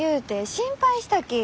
心配したき。